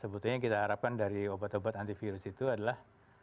sebetulnya yang kita harapkan dari obat obat antivirus itu adalah